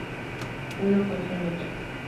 Uno contra el otro.